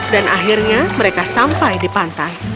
dan akhirnya mereka sampai di pantai